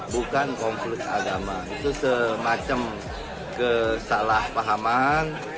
bukan konflik agama itu semacam kesalahpahaman